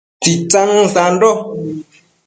Tsitsanën sando